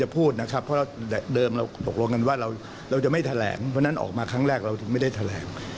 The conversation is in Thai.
เพราะฉะนั้นออกมาครั้งแรกเราไม่ได้แถลง